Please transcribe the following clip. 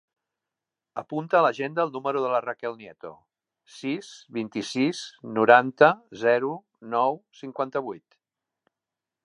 Apunta a l'agenda el número de la Raquel Nieto: sis, vint-i-sis, noranta, zero, nou, cinquanta-vuit.